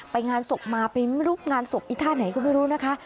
งานศพมาไปไม่รู้งานศพอีท่าไหนก็ไม่รู้นะคะ